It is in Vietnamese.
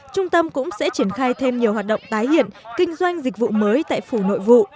trung tâm cũng sẽ triển khai thêm nhiều hoạt động tái hiện kinh doanh dịch vụ mới tại phủ nội vụ